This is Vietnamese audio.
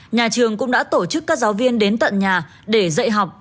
nhà trường cũng đã tổ chức các giáo viên đến tận nhà để dạy học